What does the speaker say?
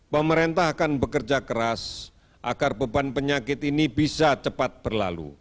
pemerintah akan bekerja keras agar beban penyakit ini bisa cepat berlalu